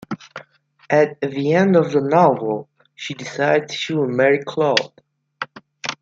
At the end of the novel, she decides she will marry Claude.